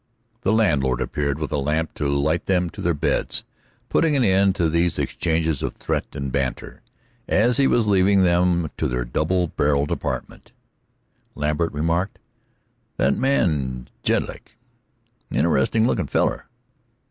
The landlord appeared with a lamp to light them to their beds, putting an end to these exchanges of threat and banter. As he was leaving them to their double barreled apartment, Lambert remarked: "That man Jedlick's an interesting lookin' feller."